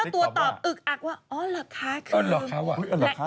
ตัวตอบอึกอักว่าอ๋อเหรอคะ